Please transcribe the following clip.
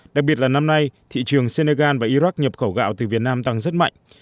đặc biệt là năm nay thị trường senegal và iraq nhập khẩu gạo từ việt nam tăng rất mạnh